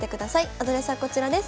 アドレスはこちらです。